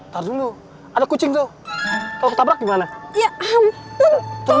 taruh dulu ada kucing tuh kalau ketabrak gimana ya ampun